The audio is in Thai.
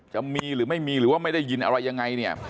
จะมีหรือไม่มีหรือว่าไม่ได้ยินอะไรยังไงเนี่ย